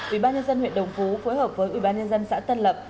ủy ban nhân dân huyện đồng phú phối hợp với ủy ban nhân dân xã tân lập